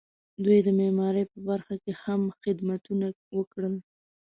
دوی د معمارۍ په برخه کې هم خدمتونه وکړل.